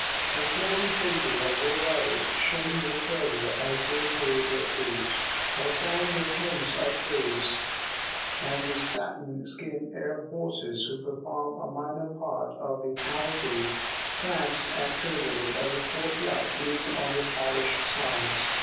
The swarthy faces of their riders shone with fervour as they played their flutes, or sang their hymns of praise, and the satin skinned Arab Horses, who formed a minor part of the cavalcade, pranced and curveted as the torch light gleamed on their polished sides.